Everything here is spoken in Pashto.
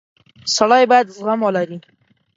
• سړی باید زغم ولري.